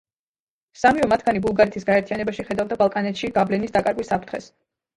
სამივე მათგანი ბულგარეთის გაერთიანებაში ხედავდა ბალკანეთში გავლენის დაკარგვის საფრთხეს.